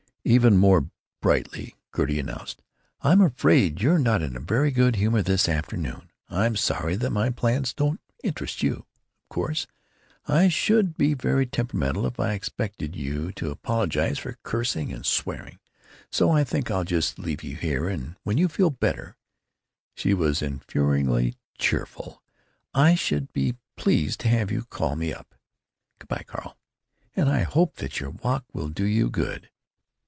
Even more brightly Gertie announced: "I'm afraid you're not in a very good humor this afternoon. I'm sorry that my plans don't interest you. Of course, I should be very temperamental if I expected you to apologize for cursing and swearing, so I think I'll just leave you here, and when you feel better——" She was infuriatingly cheerful. "——I should be pleased to have you call me up. Good by, Carl, and I hope that your walk will do you good."